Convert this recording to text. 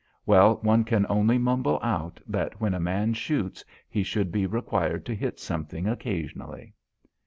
Well, one can only mumble out that when a man shoots he should be required to hit something occasionally.